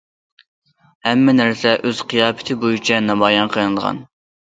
ھەممە نەرسە ئۆز قىياپىتى بويىچە نامايان قىلىنغان.